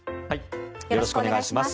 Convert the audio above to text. よろしくお願いします。